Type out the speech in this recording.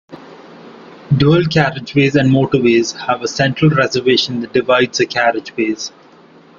Dual-carriageways and motorways have a central reservation that divides the carriageways